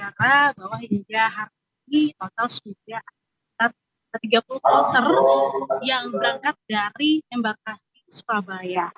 bahwa hingga hari ini klotor sudah ke tiga puluh klotor yang berangkat dari embarkasi surabaya